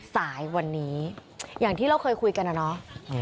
สายวันนี้อย่างที่เราเคยคุยกันนะเนาะ